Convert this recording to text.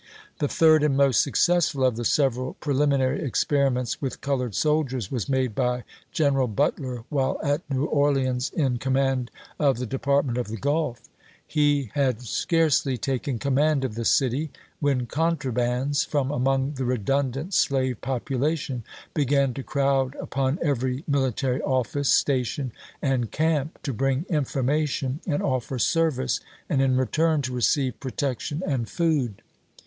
The third and most successful of the several pre liminary experiments with colored soldiers was made by General Butler while at New Orleans in command of the Department of the Grulf. He had scarcely taken command of the city, when " contra bands " from among the redundant slave population began to crowd upon every military office, station, and camp, to bring information and offer service, and in return to receive protection and food.